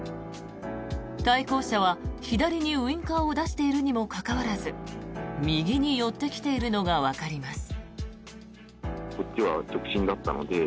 対向車は左にウィンカーを出しているにもかかわらず右に寄ってきているのがわかります。